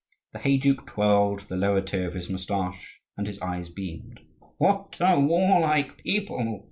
The heyduke twirled the lower tier of his moustache, and his eyes beamed. "What a warlike people!"